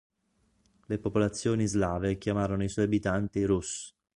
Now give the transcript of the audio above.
Le popolazioni slave chiamarono i suoi abitanti Rus'.